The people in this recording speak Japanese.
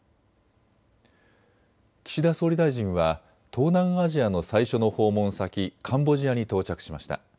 岸田総理大臣は東南アジアの最初の訪問先、カンボジアに到着しました。